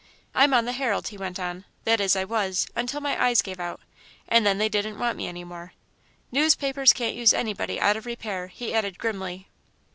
"I'm on The Herald," he went on; "that is, I was, until my eyes gave out, and then they didn't want me any more. Newspapers can't use anybody out of repair," he added, grimly.